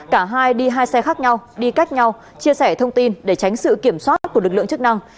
cả hai đi hai xe khác nhau đi cách nhau chia sẻ thông tin để tránh sự kiểm soát của lực lượng chức năng